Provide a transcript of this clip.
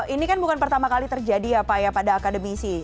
ini kan bukan pertama kali terjadi ya pak ya pada akademisi